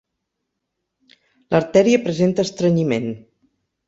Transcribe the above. L'arteria presenta estrenyiment.